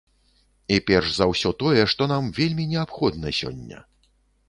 І перш за ўсё тое, што нам вельмі неабходна сёння.